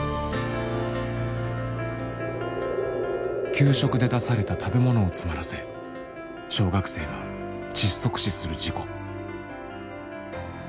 給食で出された食べ物を詰まらせ小学生が窒息死する事故。